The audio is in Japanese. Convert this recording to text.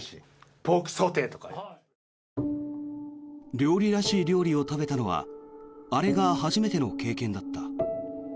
料理らしい料理を食べたのはあれが初めての経験だった。